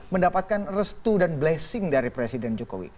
mendapatkan restu dan blessing dari presiden jokowi